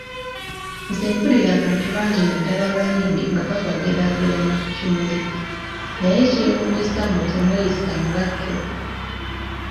Nze mpulira abantu bangi naddala abayimbi nga babageraageranya ku kimuli, naye ekyewuunyisa mmwe temweyisa nga kyo.